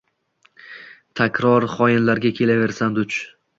Takror xoinlarga kelaversam duch.